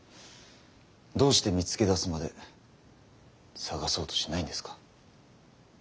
どうして見つけ出すまで捜そうとしないんですか？